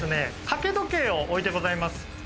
掛け時計を置いてございます